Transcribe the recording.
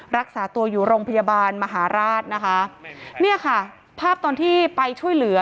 รักษาตัวอยู่โรงพยาบาลมหาราชนะคะเนี่ยค่ะภาพตอนที่ไปช่วยเหลือ